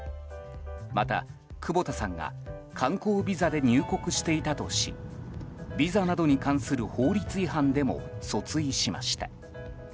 また久保田さんが観光ビザで入国していたとしビザなどに関する法律違反でも訴追しました。